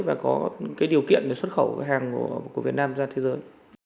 và có điều kiện để xuất khẩu hàng của việt nam ra thế giới